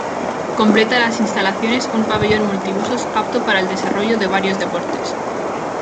Completa las instalaciones un pabellón multiusos apto para el desarrollo de varios deportes.